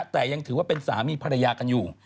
แต่ยังถือว่าเป็นสามีภรรยากันอยู่